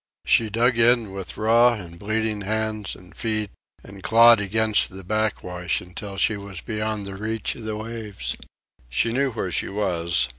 She dug in with raw and bleeding hands and feet and clawed against the backwash until she was beyond the reach of the waves. She knew where she was.